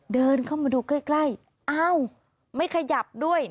เดินเข้ามาดูใกล้อ้าวไม่ขยับด้วย